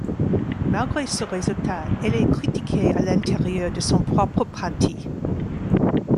Malgré ce résultat, elle est critiquée à l'intérieur de son propre parti.